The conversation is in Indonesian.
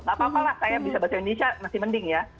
gak apa apa lah saya bisa bahasa indonesia masih mending ya